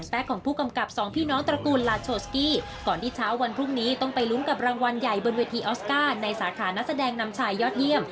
เป็นคนเวียดทีออสการ์ในสาขานักแสดงนำชายยอดเยี่ยม